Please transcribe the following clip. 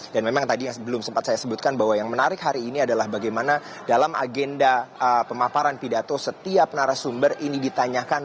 dan memang tadi yang belum sempat saya sebutkan bahwa yang menarik hari ini adalah bagaimana dalam agenda pemaparan pidato setiap narasumber ini ditanyakan